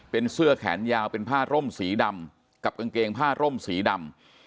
เป็นเสื้อแขนยาวเป็นผ้าร่มสีดำกับกางเกงผ้าร่มสีดำ